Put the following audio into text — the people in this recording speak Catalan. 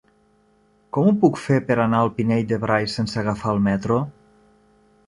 Com ho puc fer per anar al Pinell de Brai sense agafar el metro?